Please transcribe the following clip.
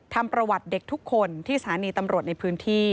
ทำประวัติเด็กทุกคนที่สถานีตำรวจในพื้นที่